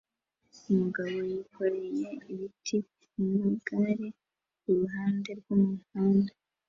Umugabo yikoreye ibiti kumagare kuruhande rwumuhanda